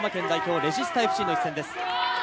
・レジスタＦＣの一戦です。